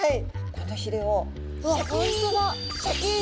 このひれをシャキン